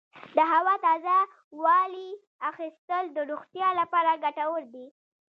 د هوا تازه والي اخیستل د روغتیا لپاره ګټور دي.